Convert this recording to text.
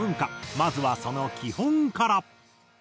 まずはその基本から。